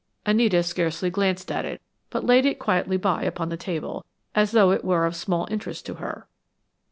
Anita scarcely glanced at it, but laid it quietly by upon the table, as though it were of small interest to her.